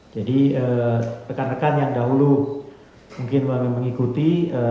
jadi rekan rekan yang dahulu mungkin mengikuti